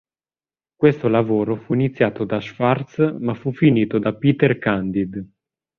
Questo lavoro fu iniziato da Schwartz, ma fu finito da Peter Candid.